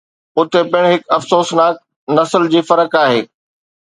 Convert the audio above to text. اتي پڻ هڪ افسوسناڪ نسل جي فرق آهي